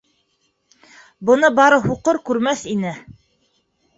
Быны бары һуҡыр күрмәҫ ине.